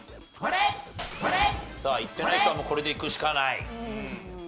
さあいってない人はもうこれでいくしかない。